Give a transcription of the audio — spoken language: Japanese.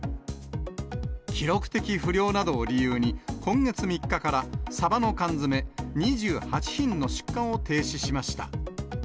記録的不漁などを理由に、今月３日からサバの缶詰２８品の出荷を停止しました。